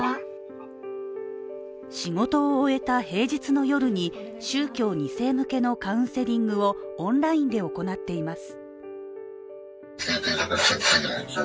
仕事を終えた平日の夜に宗教２世向けのカウンセリングをオンラインで行っています。